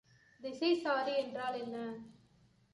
திசைச்சாரி என்றால் என்ன?